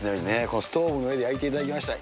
このストーブの上で焼いていただきました。